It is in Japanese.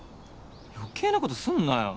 余計なことすんなよ